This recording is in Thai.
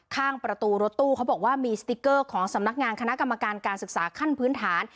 ข้างประตูรถตู้เขาบอกว่ามีสติ๊กเกอร์ของสำนักงานคณะกรรมการการศึกษาขั้นพื้นฐาน